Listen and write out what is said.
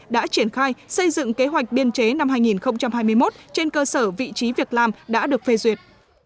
đã triển khai xây dựng kế hoạch biên chế năm hai nghìn hai mươi một trên cơ sở vị trí việc làm đã được phê duyệt